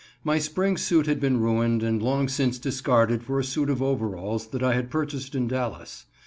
My spring suit had been ruined, and long since discarded for a suit of overalls that I had purchased in Dallas.